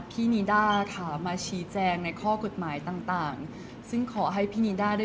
เพราะว่าสิ่งเหล่านี้มันเป็นสิ่งที่ไม่มีพยาน